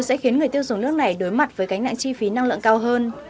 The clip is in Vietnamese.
sẽ khiến người tiêu dùng nước này đối mặt với cánh nạn chi phí năng lượng cao hơn